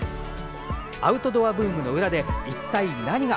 アウトドアブームの裏で一体何が。